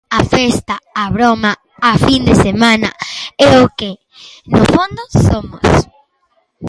a festa, a broma, a fin de semana é o que, no fondo, somos;